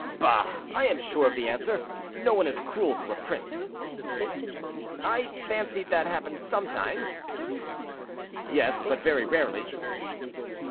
"Bah! I am sure of the answer; no one is cruel to a prince." "I fancied that happened sometimes." "Yes, but very rarely."